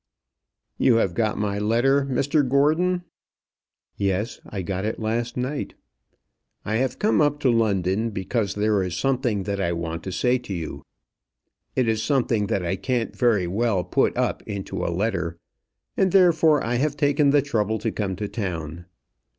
"You got my letter, Mr Gordon?" "Yes; I got it last night." "I have come up to London, because there is something that I want to say to you. It is something that I can't very well put up into a letter, and therefore I have taken the trouble to come to town."